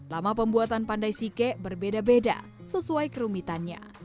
lama pembuatan pandai sike berbeda beda sesuai kerumitannya